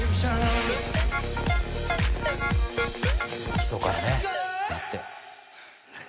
基礎からねやって。